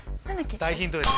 大ヒントです。